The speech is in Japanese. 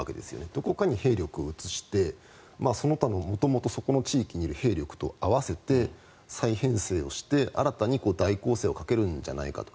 どこかに兵力を移してその他の元々そこの地域にいる兵力と合わせて再編成をして、新たに大攻勢をかけるんじゃないかと。